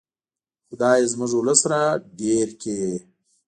خدایه زموږ ولس را ډېر کړه.